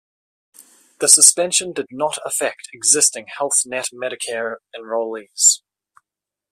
The suspension did not affect existing Health Net Medicare enrollees.